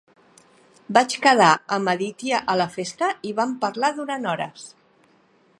Vaig quedar amb Aditya a la festa i vam parlar durant hores.